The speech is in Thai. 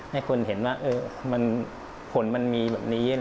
ให้คนเห็นว่าผลมันมีแบบนี้